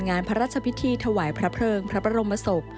งานพระราชพิธีจพพปรโมศพ